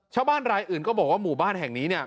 ชาวบ้านรายอื่นก็บอกว่าหมู่บ้านแห่งนี้เนี่ย